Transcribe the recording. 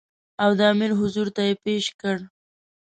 او د امیر حضور ته یې پېش کړ.